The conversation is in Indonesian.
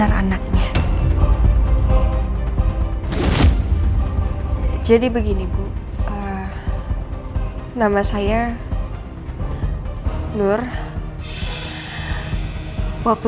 orang tidak sumat